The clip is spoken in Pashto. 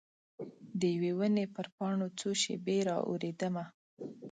د یوي ونې پر پاڼو څو شیبې را اوریدمه